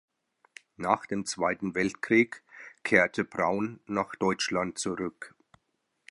Nach dem Zweiten Weltkrieg kehrte Braun nach Deutschland zurück.